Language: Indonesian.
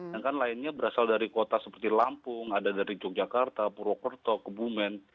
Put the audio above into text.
dan kan lainnya berasal dari kota seperti lampung ada dari yogyakarta purwokerto kebumen